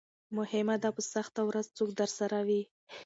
مهمه ده په سخته ورځ څوک درسره وي.